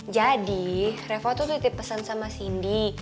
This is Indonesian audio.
jadi reva tuh tutip pesan sama sindi